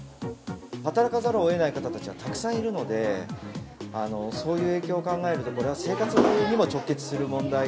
働かざるをえない方たちはたくさんいるので、そういう影響を考えると、これは世界にも直結する問題。